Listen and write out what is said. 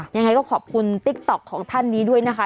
ยังไงก็ขอบคุณติ๊กต๊อกของท่านนี้ด้วยนะคะ